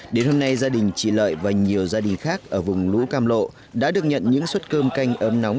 đến hôm nay gia đình chị lợi và nhiều gia đình khác ở vùng lũ cam lộ đã được nhận những suất cơm canh ốm nóng